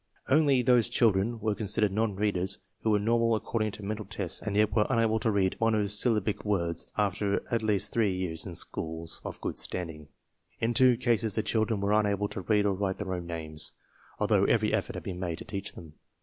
Only those chil dren were considered non readers who were normal according to mental tests and yet were unable to read monosyllabic words after at least three years in schools of good standing. In two cases the children were unable to read or write their own names, although every effort had been made to teach them.